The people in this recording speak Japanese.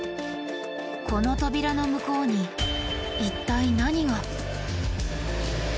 この扉の向こうに一体何が？